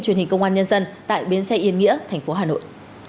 truyền hình công an nhân dân tại bến xe yên nghĩa thành phố hà nội